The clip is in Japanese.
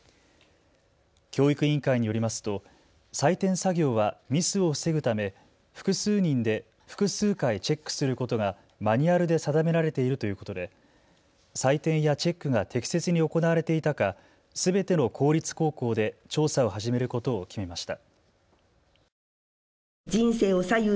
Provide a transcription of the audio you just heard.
教育委員会によりますと採点作業はミスを防ぐため複数人で複数回チェックすることがマニュアルで定められているということで採点やチェックが適切に行われていたかすべての公立高校で調査を始めることを決めました。